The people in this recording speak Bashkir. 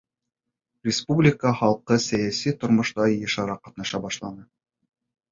— Республика халҡы сәйәси тормошта йышыраҡ ҡатнаша башланы.